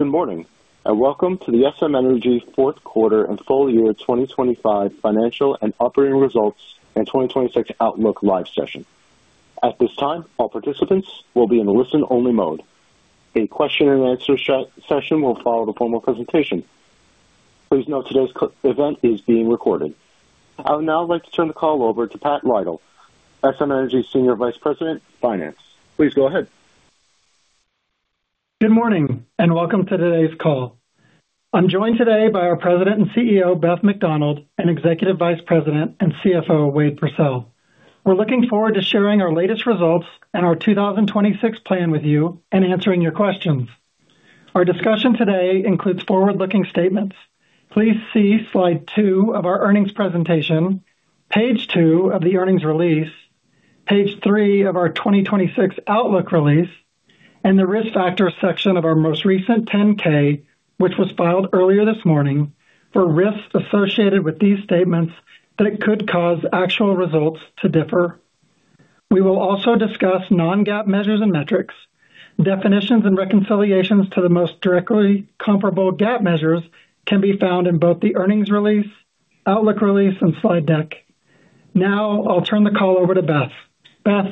Good morning, and welcome to the SM Energy fourth quarter and full year 2025 financial and operating results and 2026 outlook live session. At this time, all participants will be in a listen-only mode. A question and answer session will follow the formal presentation. Please note, today's event is being recorded. I would now like to turn the call over to Pat Lytle, SM Energy Senior Vice President, Finance. Please go ahead. Good morning, and welcome to today's call. I'm joined today by our President and CEO, Beth McDonald, and Executive Vice President and CFO, Wade Pursell. We're looking forward to sharing our latest results and our 2026 plan with you and answering your questions. Our discussion today includes forward-looking statements. Please see slide two of our earnings presentation, page two of the earnings release, page two of our 2026 outlook release, and the risk factors section of our most recent 10-K, which was filed earlier this morning, for risks associated with these statements that it could cause actual results to differ. We will also discuss non-GAAP measures and metrics. Definitions and reconciliations to the most directly comparable GAAP measures can be found in both the earnings release, outlook release, and slide deck. I'll turn the call over to Beth.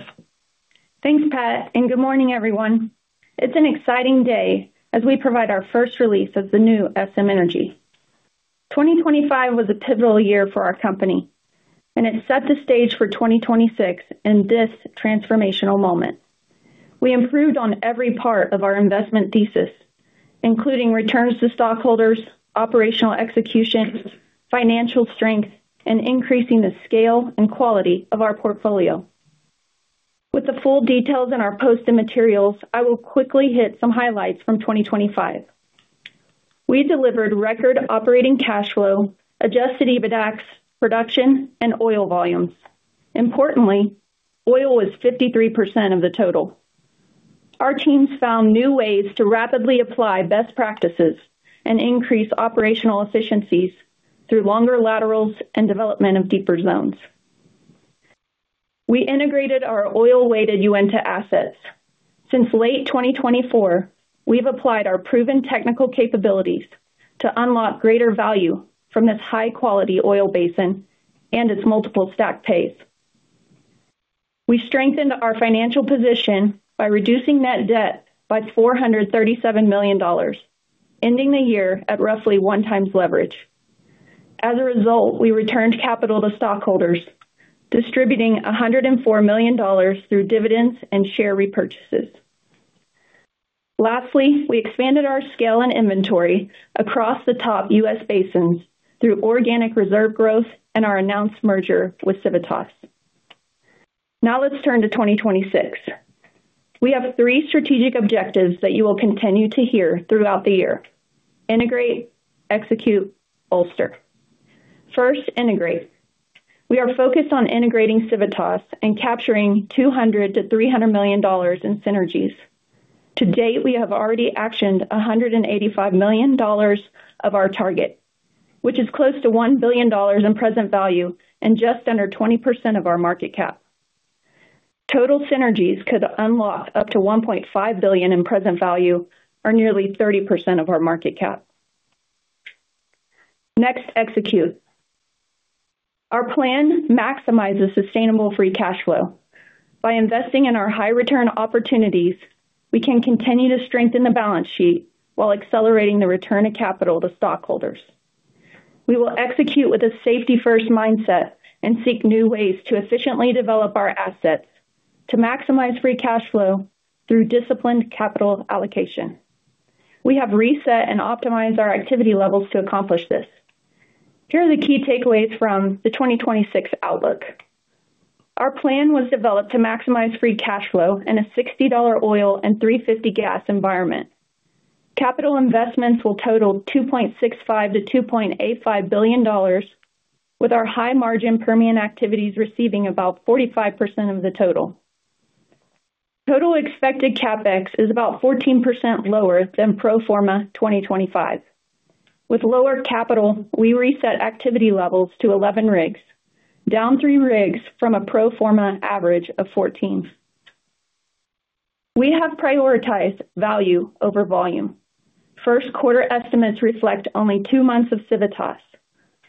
Beth? Thanks, Pat. Good morning, everyone. It's an exciting day as we provide our first release of the new SM Energy. 2025 was a pivotal year for our company, and it set the stage for 2026 in this transformational moment. We improved on every part of our investment thesis, including returns to stockholders, operational execution, financial strength, and increasing the scale and quality of our portfolio. With the full details in our posted materials, I will quickly hit some highlights from 2025. We delivered record operating cash flow, adjusted EBITDAX, production, and oil volumes. Importantly, oil was 53% of the total. Our teams found new ways to rapidly apply best practices and increase operational efficiencies through longer laterals and development of deeper zones. We integrated our oil-weighted Uinta assets. Since late 2024, we've applied our proven technical capabilities to unlock greater value from this high-quality oil basin and its multiple stack pays. We strengthened our financial position by reducing net debt by $437 million, ending the year at roughly one times leverage. As a result, we returned capital to stockholders, distributing $104 million through dividends and share repurchases. Lastly, we expanded our scale and inventory across the top U.S. basins through organic reserve growth and our announced merger with Civitas. Let's turn to 2026. We have three strategic objectives that you will continue to hear throughout the year: integrate, execute, bolster. First, integrate. We are focused on integrating Civitas and capturing $200 million-$300 million in synergies. To date, we have already actioned $185 million of our target, which is close to $1 billion in present value and just under 20% of our market cap. Total synergies could unlock up to $1.5 billion in present value, or nearly 30% of our market cap. Execute. Our plan maximizes sustainable free cash flow. By investing in our high return opportunities, we can continue to strengthen the balance sheet while accelerating the return of capital to stockholders. We will execute with a safety-first mindset and seek new ways to efficiently develop our assets to maximize free cash flow through disciplined capital allocation. We have reset and optimized our activity levels to accomplish this. Here are the key takeaways from the 2026 outlook. Our plan was developed to maximize free cash flow in a $60 oil and $3.50 gas environment. Capital investments will total $2.65 billion-$2.85 billion, with our high-margin Permian activities receiving about 45% of the total. Total expected CapEx is about 14% lower than pro forma 2025. With lower capital, we reset activity levels to 11 rigs, down three rigs from a pro forma average of 14. We have prioritized value over volume. First quarter estimates reflect only two months of Civitas.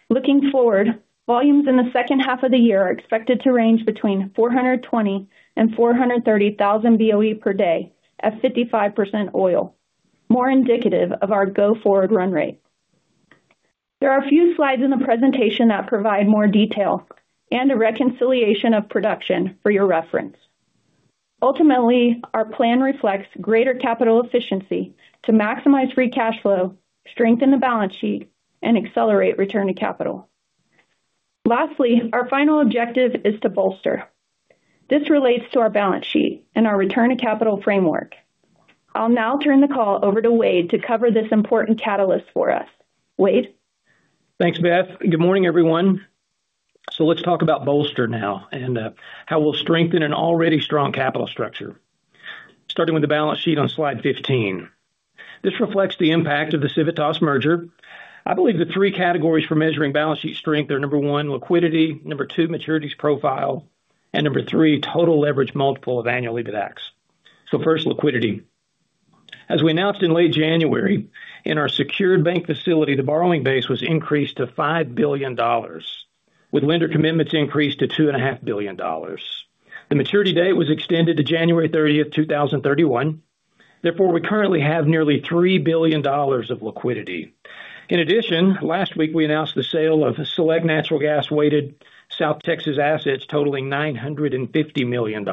Looking forward, volumes in the second half of the year are expected to range between 420,000 and 430,000 BOE per day at 55% oil, more indicative of our go-forward run rate. There are a few slides in the presentation that provide more detail and a reconciliation of production for your reference. Ultimately, our plan reflects greater capital efficiency to maximize free cash flow, strengthen the balance sheet, and accelerate return to capital. Lastly, our final objective is to bolster. This relates to our balance sheet and our return to capital framework. I'll now turn the call over to Wade to cover this important catalyst for us. Wade? Thanks, Beth. Good morning, everyone. Let's talk about bolster now and how we'll strengthen an already strong capital structure. Starting with the balance sheet on slide 15. This reflects the impact of the Civitas merger. I believe the three categories for measuring balance sheet strength are, one, liquidity, two, maturities profile. and number three, total leverage multiple of annual EBITDAX. First, liquidity. As we announced in late January, in our secured bank facility, the borrowing base was increased to $5 billion, with lender commitments increased to two and a half billion dollars. The maturity date was extended to January 30th, 2031. We currently have nearly $3 billion of liquidity. Last week, we announced the sale of select natural gas-weighted South Texas assets totaling $950 million,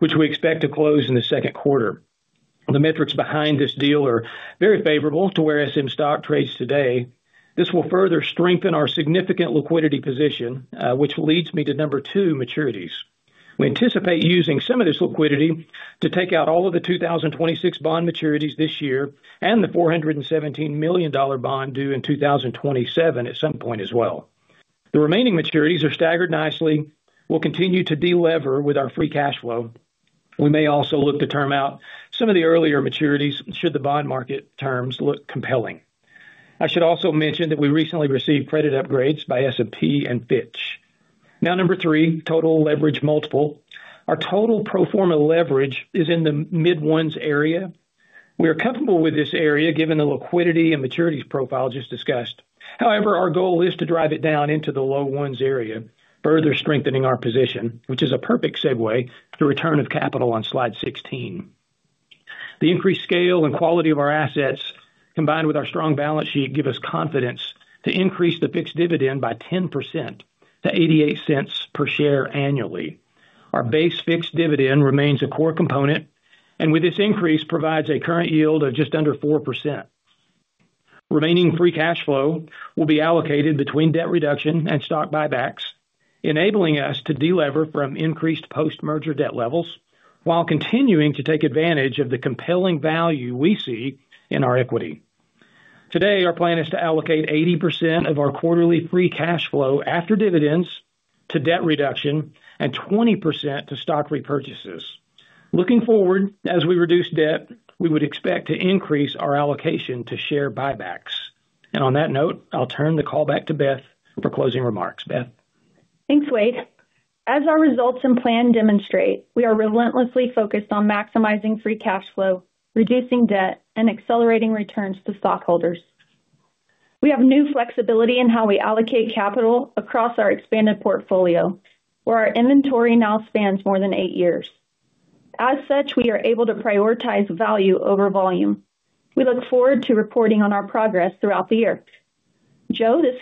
which we expect to close in the second quarter. The metrics behind this deal are very favorable to where SM stock trades today. This will further strengthen our significant liquidity position, which leads me to number two, maturities. We anticipate using some of this liquidity to take out all of the 2026 bond maturities this year and the $417 million bond due in 2027 at some point as well. The remaining maturities are staggered nicely. We'll continue to delever with our free cash flow. We may also look to term out some of the earlier maturities should the bond market terms look compelling. I should also mention that we recently received credit upgrades by S&P and Fitch. Number three, total leverage multiple. Our total pro forma leverage is in the mid ones area. We are comfortable with this area, given the liquidity and maturities profile just discussed. Our goal is to drive it down into the low ones area, further strengthening our position, which is a perfect segue to return of capital on slide 16. The increased scale and quality of our assets, combined with our strong balance sheet, give us confidence to increase the fixed dividend by 10% to $0.88 per share annually. Our base fixed dividend remains a core component, and with this increase, provides a current yield of just under 4%. Remaining free cash flow will be allocated between debt reduction and stock buybacks, enabling us to delever from increased post-merger debt levels while continuing to take advantage of the compelling value we see in our equity. Today, our plan is to allocate 80% of our quarterly free cash flow after dividends to debt reduction and 20% to stock repurchases. On that note, I'll turn the call back to Beth for closing remarks. Beth? Thanks, Wade. As our results and plan demonstrate, we are relentlessly focused on maximizing free cash flow, reducing debt, and accelerating returns to stockholders. We have new flexibility in how we allocate capital across our expanded portfolio, where our inventory now spans more than eight years. We are able to prioritize value over volume. We look forward to reporting on our progress throughout the year. Joe, this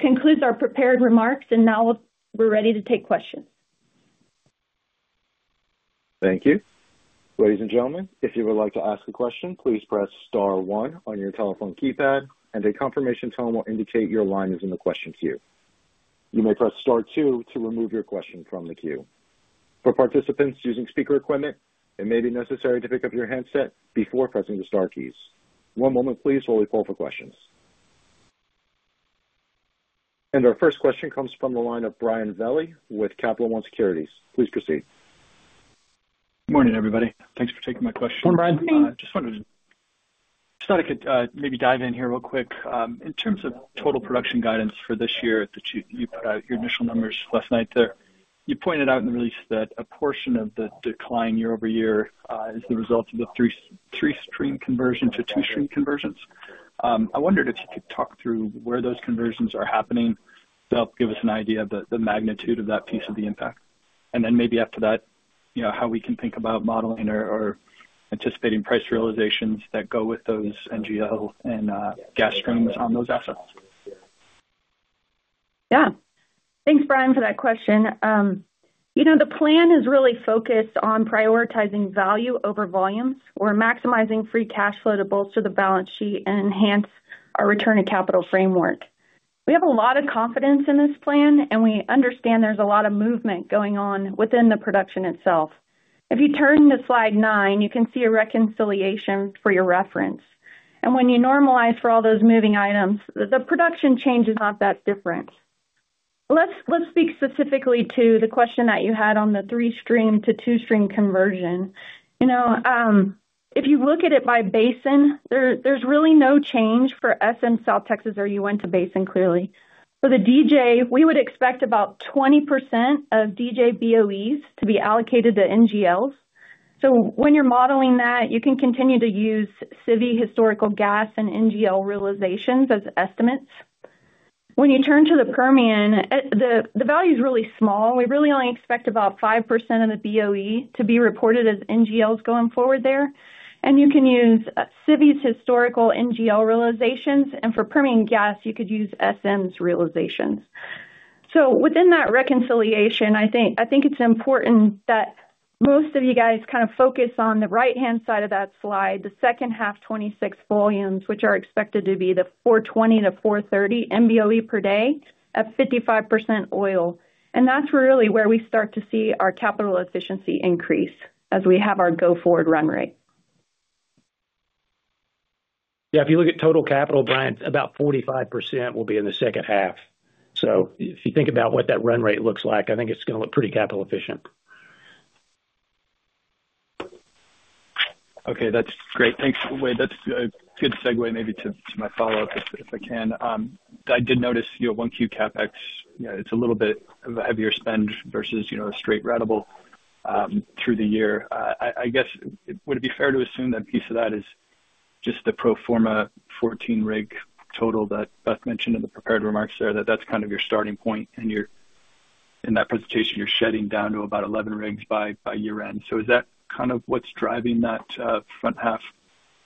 concludes our prepared remarks. Now we're ready to take questions. Thank you. Ladies and gentlemen, if you would like to ask a question, please press star one on your telephone keypad, and a confirmation tone will indicate your line is in the question queue. You may press star two to remove your question from the queue. For participants using speaker equipment, it may be necessary to pick up your handset before pressing the star keys. One moment, please, while we call for questions. Our first question comes from the line of Brian Velie with Capital One Securities. Please proceed. Good morning, everybody. Thanks for taking my question. Good morning, Brian. Just wondering, just thought I could maybe dive in here real quick. In terms of total production guidance for this year, that you put out your initial numbers last night there. You pointed out in the release that a portion of the decline year-over-year is the result of the three-stream conversion to two-stream conversions. I wondered if you could talk through where those conversions are happening. That'll give us an idea of the magnitude of that piece of the impact. Maybe after that, you know, how we can think about modeling or anticipating price realizations that go with those NGL and gas streams on those assets? Yeah. Thanks, Brian, for that question. You know, the plan is really focused on prioritizing value over volume. We're maximizing free cash flow to bolster the balance sheet and enhance our return on capital framework. We have a lot of confidence in this plan, and we understand there's a lot of movement going on within the production itself. If you turn to slide nine, you can see a reconciliation for your reference. When you normalize for all those moving items, the production change is not that different. Let's speak specifically to the question that you had on the three-stream to two-stream conversion. You know, if you look at it by basin, there's really no change for SM South Texas or Uinta Basin, clearly. For the DJ, we would expect about 20% of DJ BOEs to be allocated to NGLs. When you're modeling that, you can continue to use CIVI historical gas and NGL realizations as estimates. When you turn to the Permian, the value is really small. We really only expect about 5% of the BOE to be reported as NGLs going forward there. You can use CIVI's historical NGL realizations, and for Permian gas, you could use SM's realizations. Within that reconciliation, I think it's important that most of you guys kind of focus on the right-hand side of that slide, the second half 2026 volumes, which are expected to be the 420 to 430 MBOE per day at 55% oil. That's really where we start to see our capital efficiency increase as we have our go-forward run rate. Yeah, if you look at total capital, Brian, about 45% will be in the second half. If you think about what that run rate looks like, I think it's gonna look pretty capital efficient. Okay, that's great. Thanks, Wade. That's a good segue maybe to my follow-up, if I can. I did notice, you know, 1Q CapEx, you know, it's a little bit of a heavier spend versus, you know, a straight ratable through the year. I guess, would it be fair to assume that a piece of that is just the pro forma 14 rig total that Beth mentioned in the prepared remarks there, that that's kind of your starting point, and you're, in that presentation, you're shedding down to about 11 rigs by year-end. Is that kind of what's driving that front half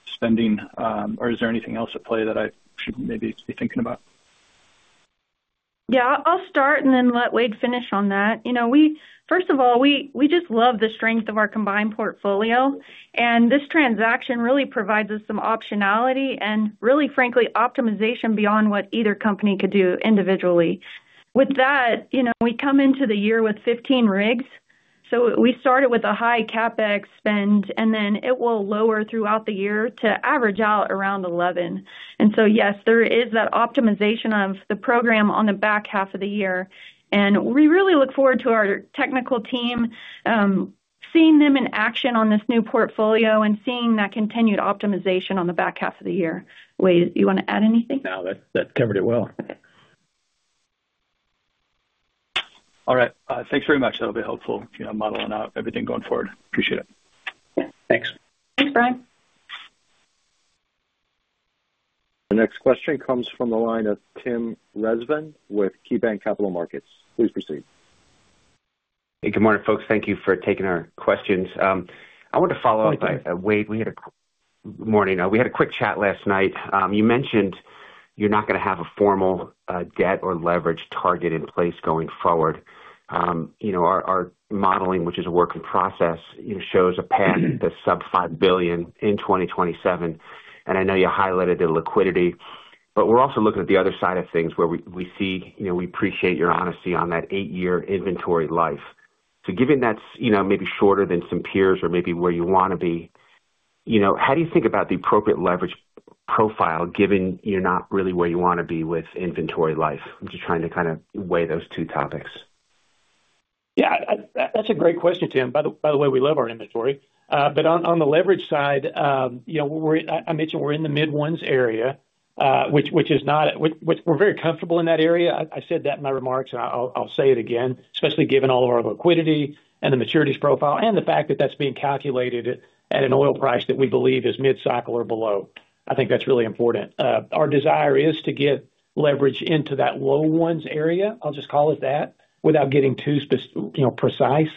spending, or is there anything else at play that I should maybe be thinking about? Yeah, I'll start and then let Wade finish on that. You know, first of all, we just love the strength of our combined portfolio, and this transaction really provides us some optionality and really, frankly, optimization beyond what either company could do individually. With that, you know, we come into the year with 15 rigs, so we started with a high CapEx spend, and then it will lower throughout the year to average out around 11. Yes, there is that optimization of the program on the back half of the year, and we really look forward to our technical team seeing them in action on this new portfolio and seeing that continued optimization on the back half of the year. Wade, you want to add anything? No, that covered it well. All right. Thanks very much. That'll be helpful, you know, modeling out everything going forward. Appreciate it. Yeah, thanks. Thanks, Brian. The next question comes from the line of Tim Rezvan with KeyBanc Capital Markets. Please proceed. Hey, good morning, folks. Thank You for taking our questions. I want to follow up with Wade Pursell. Good morning. We had a quick chat last night. You mentioned you're not gonna have a formal debt or leverage target in place going forward. You know, our modeling, which is a work in process, you know, shows a path to sub $5 billion in 2027, and I know you highlighted the liquidity, but we're also looking at the other side of things, where we see, you know, we appreciate your honesty on that eight-year inventory life. Given that's, you know, maybe shorter than some peers or maybe where you want to be, you know, how do you think about the appropriate leverage profile, given you're not really where you want to be with inventory life? I'm just trying to kind of weigh those two topics. Yeah, that's a great question, Tim. By the way, we love our inventory. On the leverage side, you know, we're, I mentioned we're in the mid-ones area, which we're very comfortable in that area. I said that in my remarks, and I'll say it again, especially given all of our liquidity and the maturities profile and the fact that that's being calculated at an oil price that we believe is mid-cycle or below. I think that's really important. Our desire is to get leverage into that low ones area, I'll just call it that, without getting too spec, you know, precise.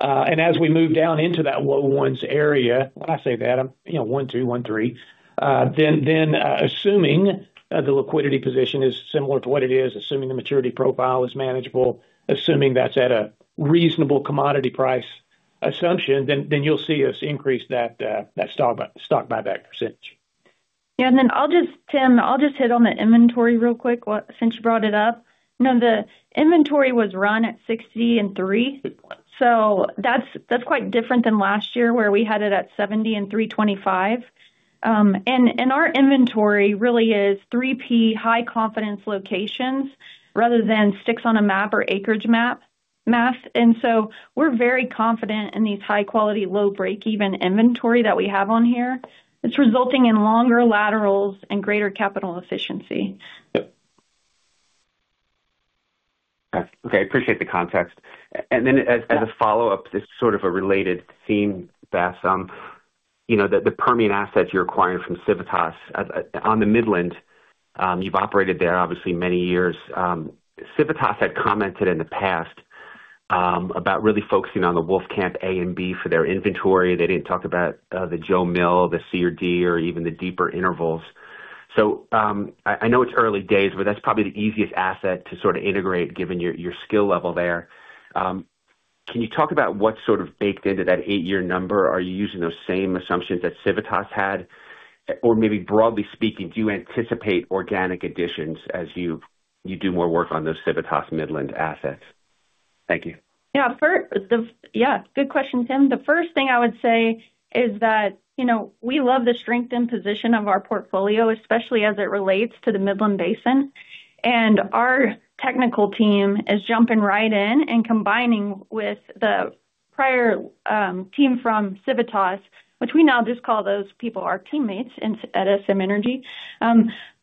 As we move down into that low ones area, when I say that, I'm, you know, one, two, one, three. Assuming the liquidity position is similar to what it is, assuming the maturity profile is manageable, assuming that's at a reasonable commodity price assumption, then you'll see us increase that stock buyback %. Tim, I'll just hit on the inventory real quick since you brought it up. You know, the inventory was run at $60 and $3. That's quite different than last year, where we had it at $70 and $3.25. And our inventory really is 3P high confidence locations rather than sticks on a map or acreage map math. We're very confident in these high quality, low break-even inventory that we have on here. It's resulting in longer laterals and greater CapEx efficiency. Yep. Okay, I appreciate the context. As a follow-up, this is sort of a related theme, Beth. You know, the Permian assets you're acquiring from Civitas on the Midland, you've operated there obviously many years. Civitas had commented in the past about really focusing on the Wolfcamp A and B for their inventory. They didn't talk about the Jo Mill, the C or D, or even the deeper intervals. I know it's early days, but that's probably the easiest asset to sort of integrate, given your skill level there. Can you talk about what's sort of baked into that eight-year number? Are you using those same assumptions that Civitas had? Maybe broadly speaking, do you anticipate organic additions as you do more work on those Civitas Midland assets? Thank you. Yeah. First, good question, Tim. The first thing I would say is that, you know, we love the strength and position of our portfolio, especially as it relates to the Midland Basin, and our technical team is jumping right in and combining with the prior team from Civitas, which we now just call those people our teammates at SM Energy.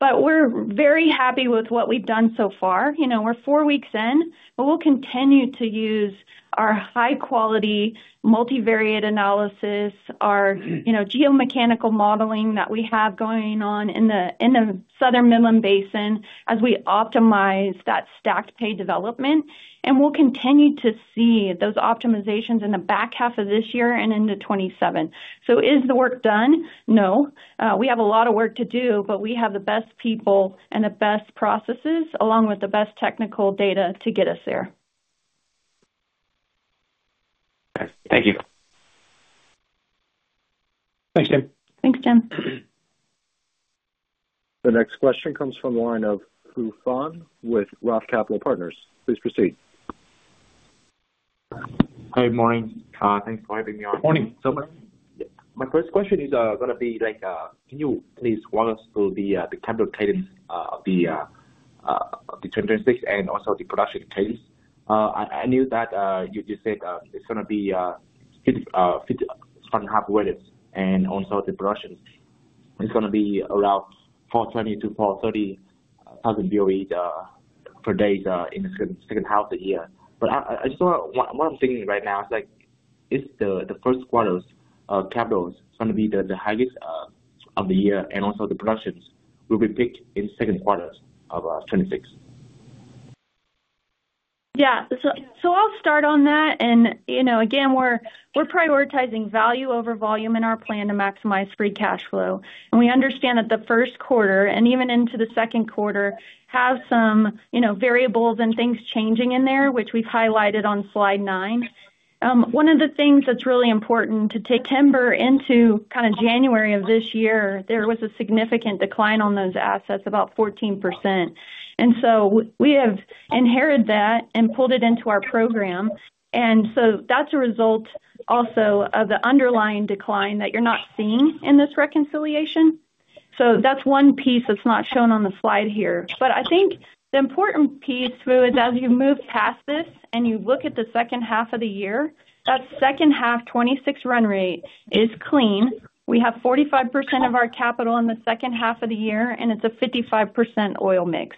We're very happy with what we've done so far. You know, we're four weeks in, but we'll continue to use our high-quality multivariate analysis, our, you know, geomechanical modeling that we have going on in the southern Midland Basin as we optimize that stacked pay development. We'll continue to see those optimizations in the back half of this year and into 2027. Is the work done? No. We have a lot of work to do, but we have the best people and the best processes, along with the best technical data to get us there. Okay. Thank you. Thanks, Tim. Thanks, Tim. The next question comes from the line of Phu Pham with Roth Capital Partners. Please proceed. Hi, morning. Thanks for having me on. Morning. My first question is gonna be, like, can you please walk us through the capital cadence of the characteristics and also the production cadence? I knew that you just said it's going to be fit front half well and also the production. It's going to be around 420 to 430 thousand BOE per day in the second half of the year. I just want what I'm thinking right now is like, if the first quarter's capital is going to be the highest of the year, and also the productions will be picked in second quarters of 2026. I'll start on that. You know, again, we're prioritizing value over volume in our plan to maximize free cash flow. We understand that the first quarter, and even into the second quarter, has some, you know, variables and things changing in there, which we've highlighted on slide nine. One of the things that's really important to take timber into kind of January of this year, there was a significant decline on those assets, about 14%. We have inherited that and pulled it into our program. That's a result also of the underlying decline that you're not seeing in this reconciliation. That's one piece that's not shown on the slide here. I think the important piece, Fu, is as you move past this and you look at the second half of the year, that second half, 2026 run rate is clean. We have 45% of our capital in the second half of the year, and it's a 55% oil mix.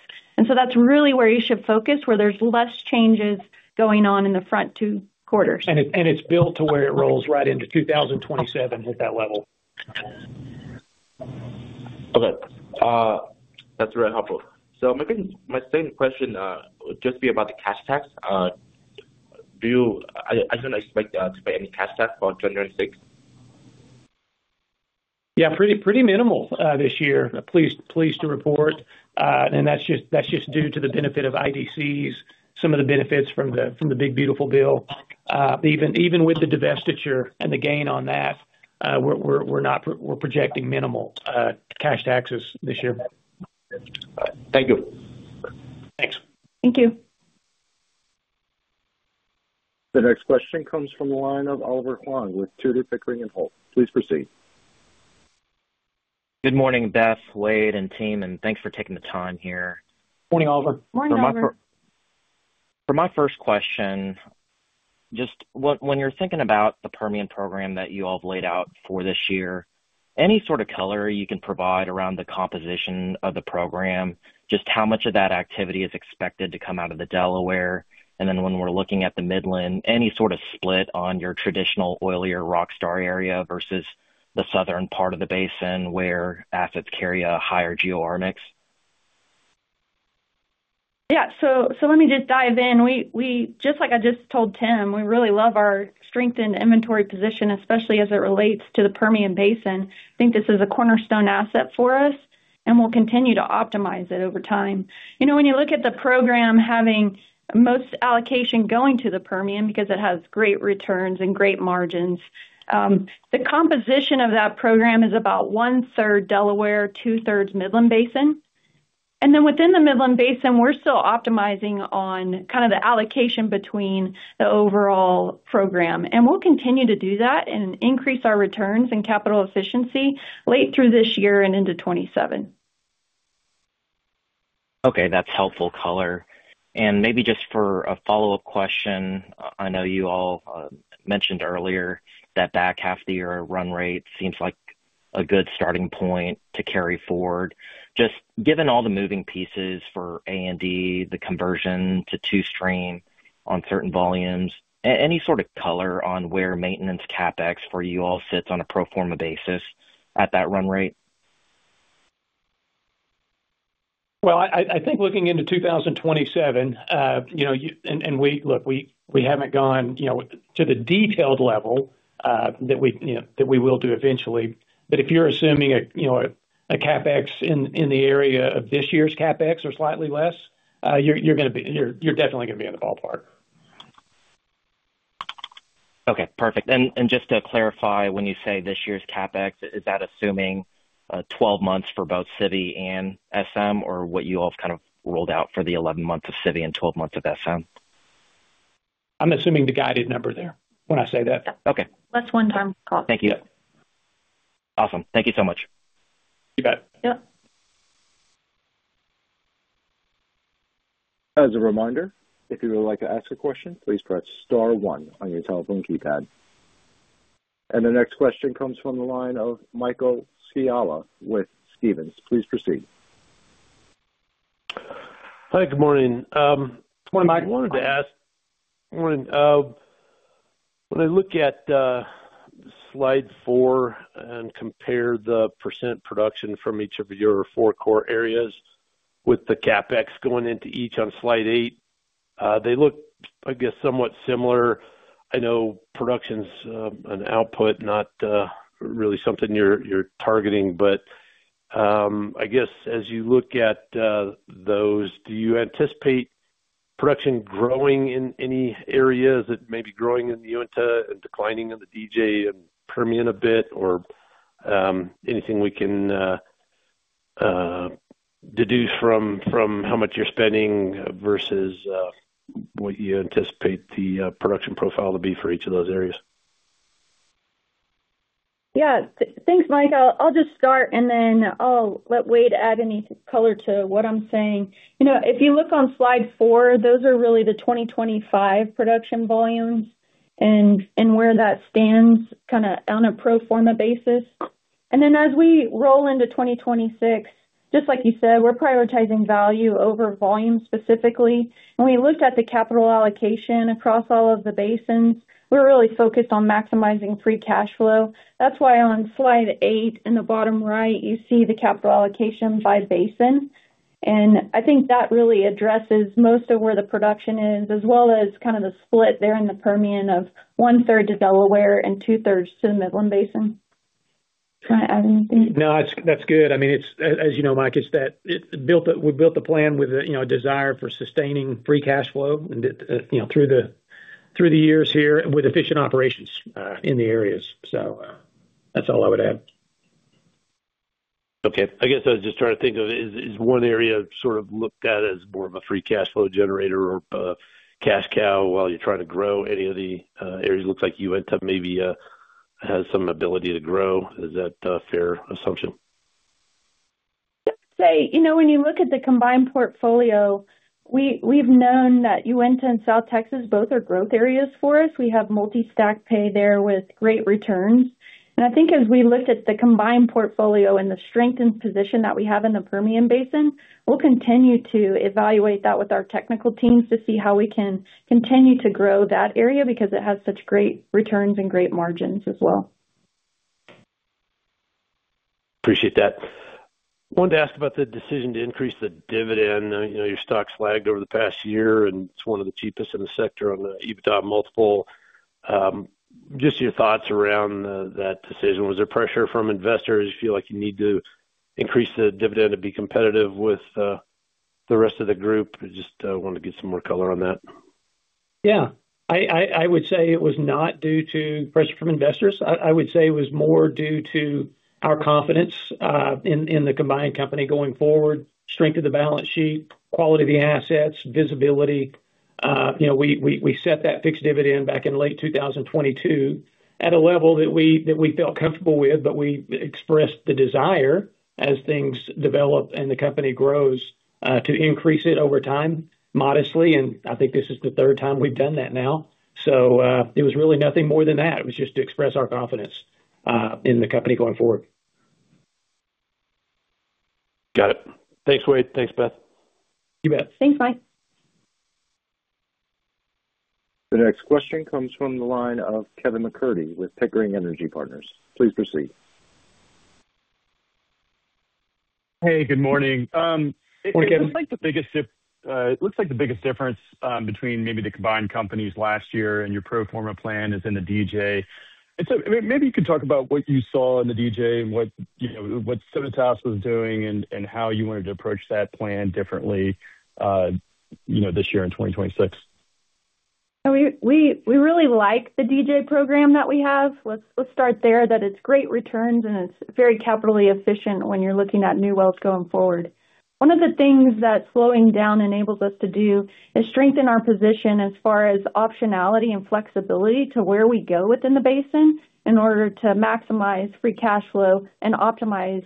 That's really where you should focus, where there's less changes going on in the front two quarters. It's built to where it rolls right into 2027 with that level. Okay. That's very helpful. Maybe my second question, would just be about the cash tax. I don't expect to pay any cash tax for 2026? Yeah, pretty minimal this year. Pleased to report, that's just due to the benefit of IDCs, some of the benefits from the Big Beautiful Bill. Even with the divestiture and the gain on that, we're not projecting minimal cash taxes this year. Thank you. Thanks. Thank you. The next question comes from the line of Oliver Huang with Tudor, Pickering, and Holt. Please proceed. Good morning, Beth, Wade, and team, and thanks for taking the time here. Morning, Oliver. Morning, Oliver. For my first question, when you're thinking about the Permian program that you all have laid out for this year, any sort of color you can provide around the composition of the program? Just how much of that activity is expected to come out of the Delaware? When we're looking at the Midland, any sort of split on your traditional oilier RockStar area versus the southern part of the basin where assets carry a higher GOR mix? Yeah. Let me just dive in. Just like I just told Tim, we really love our strengthened inventory position, especially as it relates to the Permian Basin. I think this is a cornerstone asset for us, and we'll continue to optimize it over time. You know, when you look at the program having most allocation going to the Permian because it has great returns and great margins, the composition of that program is about one third Delaware, two-thirds Midland Basin. Within the Midland Basin, we're still optimizing on kind of the allocation between the overall program, and we'll continue to do that and increase our returns and capital efficiency late through this year and into 2027. Okay, that's helpful color. Maybe just for a follow-up question, I know you all mentioned earlier that back half of the year run rate seems like a good starting point to carry forward. Just given all the moving pieces for A&D, the conversion to two stream on certain volumes, any sort of color on where maintenance CapEx for you all sits on a pro forma basis at that run rate? Well, I think looking into 2027, you know, look, we haven't gone, you know, to the detailed level that we, you know, that we will do eventually. If you're assuming a, you know, a CapEx in the area of this year's CapEx or slightly less, you're gonna be, you're definitely gonna be in the ballpark. Okay, perfect. And just to clarify, when you say this year's CapEx, is that assuming 12 months for both CIVI and SM or what you all kind of rolled out for the 11 months of CIVI and 12 months of SM? I'm assuming the guided number there when I say that. Yeah. Okay. That's one time call. Thank you. Awesome. Thank you so much. You bet. Yep. As a reminder, if you would like to ask a question, please press star one on your telephone keypad. The next question comes from the line of Michael Scialla with Stephens. Please proceed. Hi, good morning. Good morning, Mike. I wanted to ask, when I look at slide four and compare the % production from each of your four core areas with the CapEx going into each on slide eight, they look, I guess, somewhat similar. I know production's an output, not really something you're targeting, but I guess as you look at those, do you anticipate production growing in any areas that may be growing in the Uinta and declining in the DJ and Permian a bit? Anything we can deduce from how much you're spending versus what you anticipate the production profile to be for each of those areas? Yeah, thanks, Mike. I'll just start, and then I'll let Wade add any color to what I'm saying. You know, if you look on slide four, those are really the 2025 production volumes and where that stands kinda on a pro forma basis. Then, as we roll into 2026, just like you said, we're prioritizing value over volume, specifically. When we looked at the capital allocation across all of the basins, we're really focused on maximizing free cash flow. That's why on slide eight, in the bottom right, you see the capital allocation by basin. I think that really addresses most of where the production is, as well as kind of the split there in the Permian of 1/3 to Delaware and 2/3 to the Midland Basin. Do you want to add anything? No, that's good. I mean, it's, as you know, Mike, it's that we built the plan with a, you know, desire for sustaining free cash flow, and, you know, through the years here with efficient operations in the areas. That's all I would add. Okay. I guess I was just trying to think of is one area sort of looked at as more of a free cash flow generator or cash cow while you're trying to grow any of the areas? It looks like Uinta maybe has some ability to grow. Is that a fair assumption? Say, you know, when you look at the combined portfolio, we've known that Uinta and South Texas both are growth areas for us. We have multi-stack pay there with great returns. I think as we look at the combined portfolio and the strengthened position that we have in the Permian Basin, we'll continue to evaluate that with our technical teams to see how we can continue to grow that area, because it has such great returns and great margins as well. Appreciate that. Wanted to ask about the decision to increase the dividend. You know, your stock flagged over the past year, and it's one of the cheapest in the sector on the EBITDA multiple. Just your thoughts around that decision. Was there pressure from investors? You feel like you need to increase the dividend to be competitive with the rest of the group? I just wanted to get some more color on that. Yeah. I would say it was not due to pressure from investors. I would say it was more due to our confidence in the combined company going forward, strength of the balance sheet, quality of the assets, visibility. You know, we set that fixed dividend back in late 2022, at a level that we felt comfortable with, but we expressed the desire as things develop and the company grows to increase it over time, modestly, and I think this is the third time we've done that now. It was really nothing more than that. It was just to express our confidence in the company going forward. Got it. Thanks, Wade. Thanks, Beth. You bet. Thanks, Mike. The next question comes from the line of Kevin MacCurdy with Pickering Energy Partners. Please proceed. Hey, good morning. Hey, Kevin. It looks like the biggest difference between maybe the combined companies last year and your pro forma plan is in the DJ. Maybe you could talk about what you saw in the DJ and what, you know, what Civitas was doing and how you wanted to approach that plan differently, you know, this year in 2026. We really like the DJ program that we have. Let's start there, that it's great returns, and it's very capitally efficient when you're looking at new wells going forward. One of the things that slowing down enables us to do is strengthen our position as far as optionality and flexibility to where we go within the basin in order to maximize free cash flow and optimize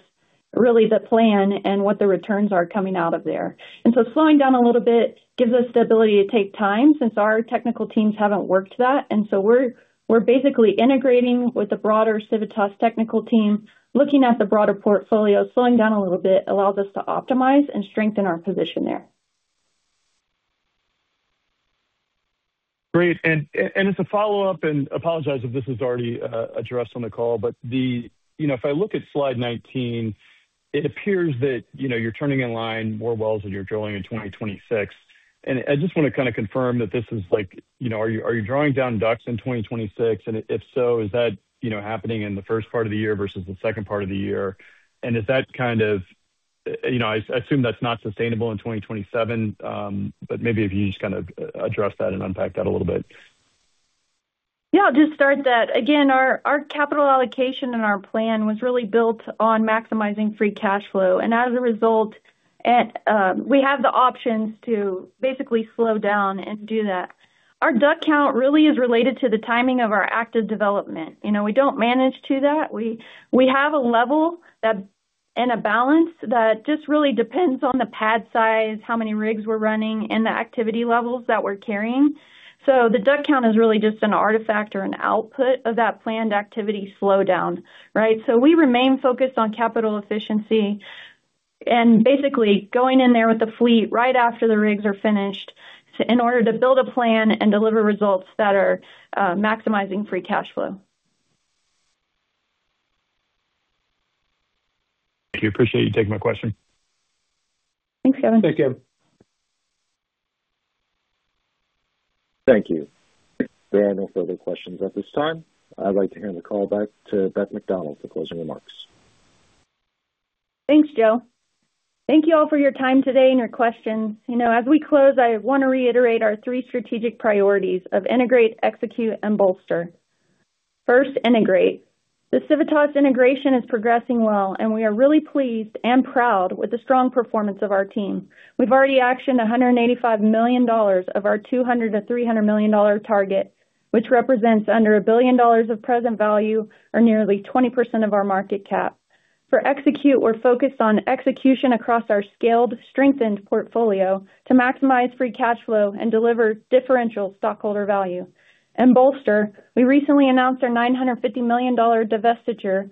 really the plan and what the returns are coming out of there. Slowing down a little bit gives us the ability to take time, since our technical teams haven't worked that. We're basically integrating with the broader Civitas technical team, looking at the broader portfolio. Slowing down a little bit allows us to optimize and strengthen our position there. Great. As a follow-up, and apologize if this is already addressed on the call. You know, if I look at slide 19, it appears that, you know, you're turning in line more wells than you're drilling in 2026. I just want to kind of confirm that this is like, you know, are you drawing down DUCs in 2026? If so, is that, you know, happening in the first part of the year versus the second part of the year? Is that kind of, you know, I assume that's not sustainable in 2027, but maybe if you just kind of address that and unpack that a little bit? Yeah, I'll just start that. Our capital allocation and our plan was really built on maximizing free cash flow. As a result, we have the options to basically slow down and do that. Our DUCs count really is related to the timing of our active development. You know, we don't manage to that. We have a level that, and a balance, that just really depends on the pad size, how many rigs we're running, and the activity levels that we're carrying. The DUCs count is really just an artifact or an output of that planned activity slowdown, right? We remain focused on capital efficiency and basically going in there with the fleet right after the rigs are finished, to in order to build a plan and deliver results that are maximizing free cash flow. Thank you. Appreciate you taking my question. Thanks, Kevin. Thanks, Kevin. Thank you. There are no further questions at this time. I'd like to hand the call back to Beth McDonald for closing remarks. Thanks, Joe. Thank you all for your time today and your questions. You know, as we close, I want to reiterate our three strategic priorities of integrate, execute, and bolster. First, integrate. The Civitas integration is progressing well, and we are really pleased and proud with the strong performance of our team. We've already actioned $185 million of our $200 million-$300 million target, which represents under $1 billion of present value or nearly 20% of our market cap. For execute, we're focused on execution across our scaled, strengthened portfolio to maximize free cash flow and deliver differential stockholder value. Bolster, we recently announced our $950 million divestiture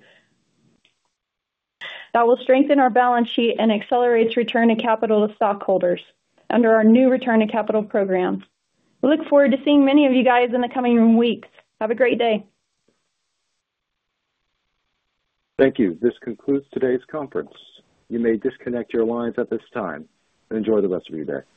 that will strengthen our balance sheet and accelerates return to capital to stockholders under our new return to capital program. We look forward to seeing many of you guys in the coming weeks. Have a great day. Thank you. This concludes today's conference. You may disconnect your lines at this time and enjoy the rest of your day.